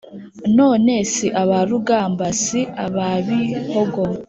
none si ab’urugamba si ab’ibihogo